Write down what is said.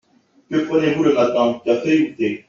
Que prenez-vous le matin ? Café ou thé ?